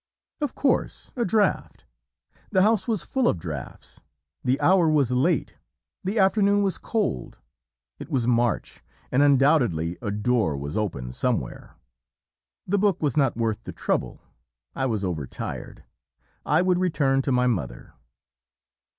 Of course, a draught. The house was full of draughts. The hour was late, the afternoon was cold, it was March, and undoubtedly a door was open somewhere; the book was not worth the trouble, I was over tired, I would return to my mother.